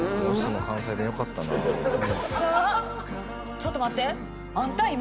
「ちょっと待って」